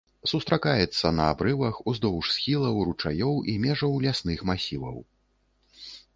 Сустракаецца на абрывах, уздоўж схілаў, ручаёў і межаў лясных масіваў.